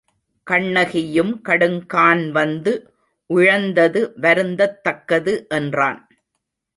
கண்ணகியும் கடுங்கான் வந்து உழந்தது வருந்தத் தக்கது என்றான்.